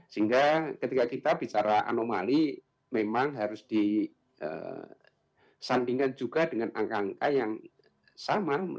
sehingga ketika kita bicara anomali memang harus disandingkan juga dengan angka angka yang sama